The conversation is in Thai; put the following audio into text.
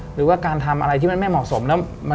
หรือว่าการทำอะไรที่มันไม่เหมาะสม